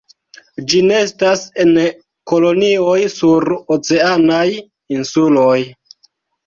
Ĝi nestas en kolonioj sur oceanaj insuloj.